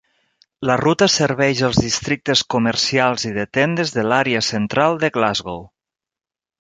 La ruta serveix els districtes comercials i de tendes de l'àrea central de Glasgow.